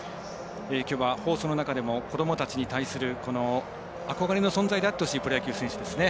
きょうは放送の中でも子どもたちに対する憧れの存在であってほしいプロ野球選手ですね。